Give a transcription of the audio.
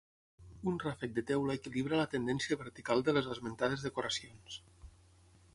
Un ràfec de teula equilibra la tendència vertical de les esmentades decoracions.